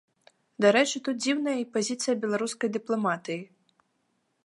Дарэчы, тут дзіўная і пазіцыя беларускай дыпламатыі.